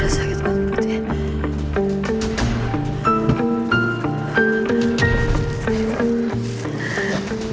sakit perut gue